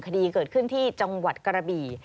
คดีเกิดขึ้นที่จังหวัดกระบี่